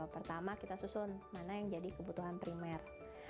pertama kita susun mana yang jadi kebutuhan primer